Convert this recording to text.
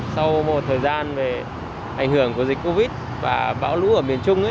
sau một thời gian về ảnh hưởng của dịch covid và bão lũ ở miền trung